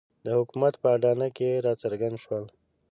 د حکومت په اډانه کې راڅرګند شول.